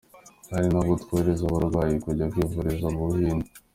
Hari nubwo twohereza abarwayi kujya kwivuriza mu Buhinde.